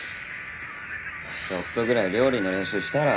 ちょっとぐらい料理の練習したら？